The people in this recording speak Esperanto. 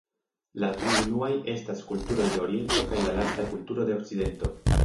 La tri unuaj estas kulturoj de Oriento kaj la lasta kulturo de Okcidento.